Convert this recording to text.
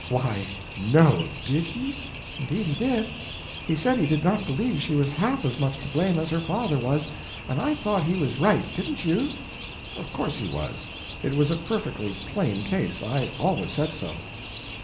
"Why, no! Did he?" "Indeed he did. He said he did not believe she was half as much to blame as her father was, and I thought he was right. Didn't you?" "Of course he was. It was a perfectly plain case. I always said so."